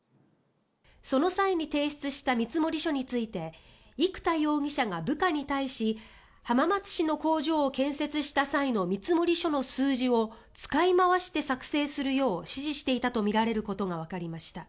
その際に提出した見積書について生田容疑者が、部下に対し浜松市の工場を建設した際の見積書の数字を使い回して作成するよう指示していたとみられることがわかりました。